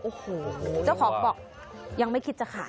โอ้โหเจ้าของบอกยังไม่คิดจะขาย